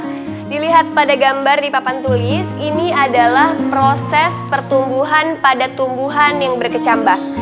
kalau dilihat pada gambar di papan tulis ini adalah proses pertumbuhan pada tumbuhan yang berkecambah